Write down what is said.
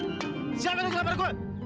eh siapa yang berangkat uang